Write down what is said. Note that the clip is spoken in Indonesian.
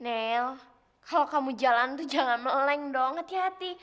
nel kalau kamu jalan tuh jangan meleng dong hati hati